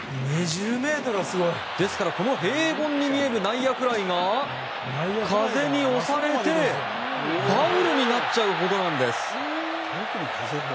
ですから、この平凡に見える内野フライが風に押されてファウルになっちゃうほどなんです。